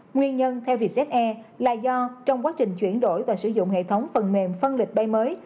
nguyên nhân theo vietjet air là do trong quá trình chuyển đổi và sử dụng hệ thống phần mềm phân lịch bay mới